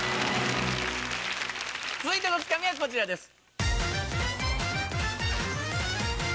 続いてのツカミはこちらです。